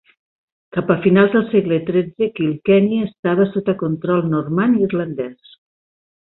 Cap a finals del segle XIII, Kilkenny estava sota control normand i irlandès.